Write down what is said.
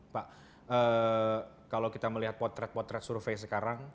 pak kalau kita melihat potret potret survei sekarang